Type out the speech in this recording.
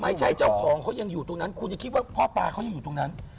เจ้าของเขายังอยู่ตรงนั้นคุณยังคิดว่าพ่อตาเขายังอยู่ตรงนั้น